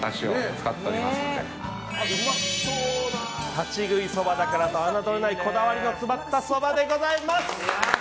立ち食いそばだからと侮れないこだわりの詰まったそばでございます！